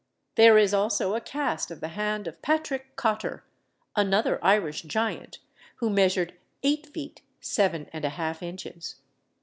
There is also a cast of the hand of Patrick Cotter, another Irish giant, who measured eight feet seven and a half inches.